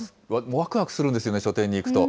わくわくするんですよね、書店に行くと。